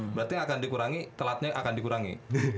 berarti akan dikurangi telatnya akan dikurangi